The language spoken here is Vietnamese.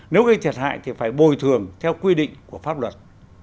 nếu gây thiệt hại thì phải bồi thường theo quy định của pháp luật